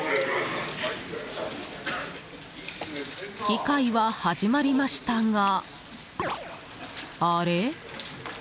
議会は始まりましたがあれ？